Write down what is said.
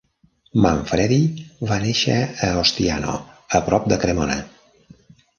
Manfredi va néixer a Ostiano, a prop de Cremona.